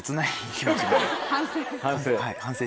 反省？